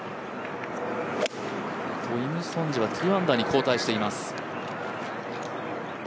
イム・ソンジェは２アンダーに後退しています。